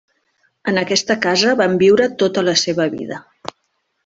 En aquesta casa van viure tota la seva vida.